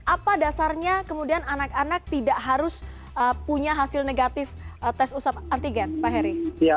apa dasarnya kemudian anak anak tidak harus punya hasil negatif tes usap antigen pak heri